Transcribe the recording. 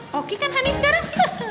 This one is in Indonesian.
hoki kan hani sekarang